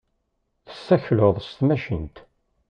Tessakleḍ s tmacint.